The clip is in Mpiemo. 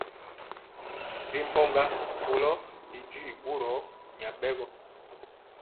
Ri mpogɔ koko y duii bɔro nyabɛgɔ.